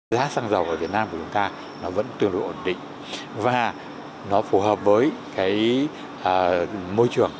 giá sang giàu ở việt nam của chúng ta vẫn tương đối ổn định và nó phù hợp với môi trường